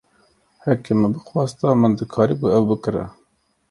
Heke min bixwasta min dikaribû ev bikira.